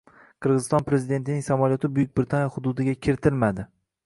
Qirg‘iziston prezidentining samolyoti Buyuk Britaniya hududiga kiritilmading